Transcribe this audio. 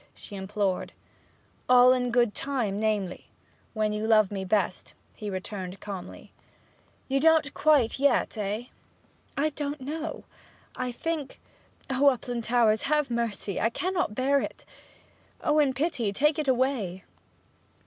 she implored. 'All in good time namely, when you love me best,' he returned calmly. 'You don't quite yet eh?' 'I don't know I think O Uplandtowers, have mercy I cannot bear it O, in pity, take it away!'